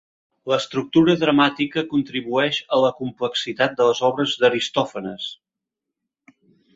L'estructura dramàtica contribueix a la complexitat de les obres d'Aristòfanes.